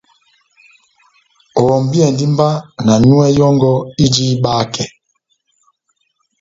Ohɔmbiyɛndi mba na nyúwɛ́ yɔ́ngɔ ijini ihibakɛ.